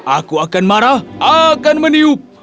aku akan marah akan meniup